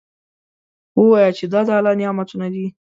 ووایه چې دا د الله نعمتونه دي.